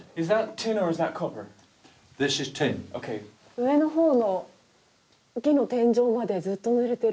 上の方の木の天井までずっとぬれてる。